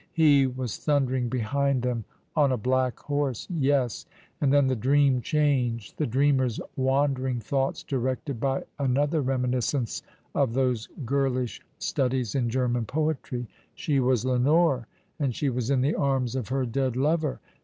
He was thundering behind them, on a black horse. Ye.^, and then the dream changed — the dreamer's wandering thoughts directed by another reminiscence of those girlish studies in German poetry. She was Lenore, and she was in the arms of her dead lover.